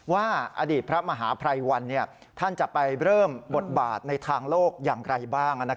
ว่าอดีตพระมหาภัยวันท่านจะไปเริ่มบทบาทในทางโลกอย่างไรบ้าง